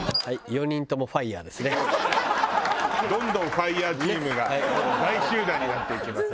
どんどんファイヤーチームが大集団になっていきます。